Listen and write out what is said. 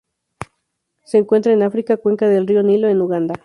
Se encuentran en África: cuenca del río Nilo en Uganda.